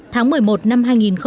tháng một mươi một năm hai nghìn chín